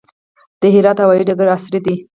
د هرات هوايي ډګر عصري دی